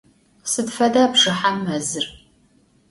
Sıd feda bjjıhem mezır?